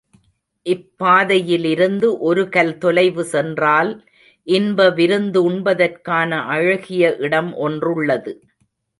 இப்பாதையிலிருந்து ஒருகல் தொலைவு சென்றால் இன்ப விருந்து உண்பதற்கான அழகிய இடம் ஒன்றுள்ளது.